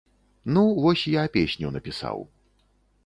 Ну, вось, я песню напісаў.